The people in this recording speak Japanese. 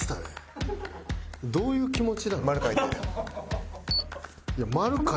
どういう気持ちなの？